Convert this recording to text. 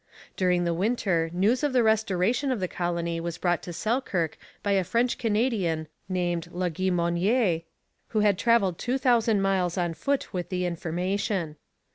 During the winter news of the restoration of the colony was brought to Selkirk by a French Canadian named Laguimonière, who had travelled two thousand miles on foot with the information.